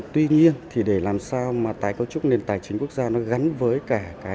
tuy nhiên để làm sao mà tái cấu trúc nền tài chính quốc gia gắn với cả